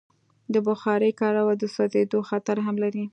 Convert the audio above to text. د بخارۍ کارول د سوځېدو خطر هم لري.